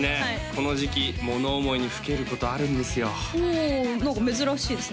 この時期物思いにふけることあるんですよお珍しいですね